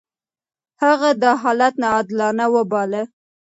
هغه دا حالت ناعادلانه وباله.